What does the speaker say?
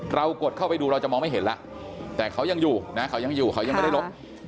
เรากดเข้าไปดูเราจะมองไม่เห็นแล้วแต่เขายังอยู่เขายังไม่ได้ลบ